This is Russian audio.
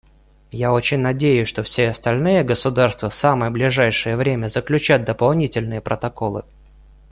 Я очень надеюсь, что все остальные государства в самое ближайшее время заключат дополнительные протоколы.